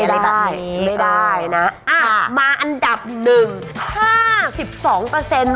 ไม่ได้ไม่ได้นะมาอันดับหนึ่ง